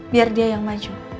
biar dia yang maju